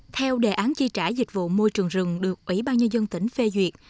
theo đề án chi trả dịch vụ môi trường rừng được ủy ban nhân dân tỉnh phê duyệt